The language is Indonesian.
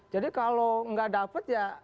jadi kalau nggak dapat ya